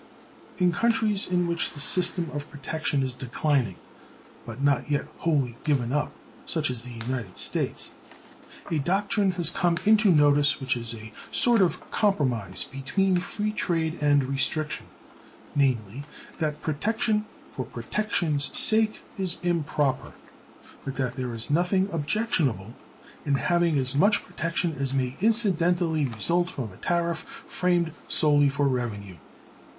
In countries in which the system of Protection is declining, but not yet wholly given up, such as the United States, a doctrine has come into notice which is a sort of compromise between free trade and restriction, namely, that protection for protection's sake is improper, but that there is nothing objectionable in having as much protection as may incidentally result from a tariff framed solely for revenue.